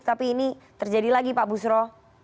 tapi ini terjadi lagi pak busro